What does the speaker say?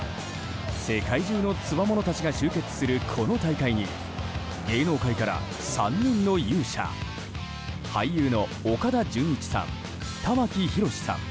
世界中のつわものたちが集結するこの大会に芸能界から３人の勇者俳優の岡田准一さん、玉木宏さん